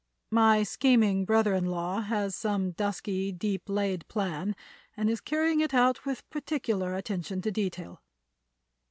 My scheming brother in law has some dusky, deep laid plan, and is carrying it out with particular attention to detail."